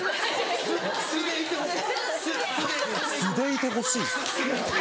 素でいてほしい？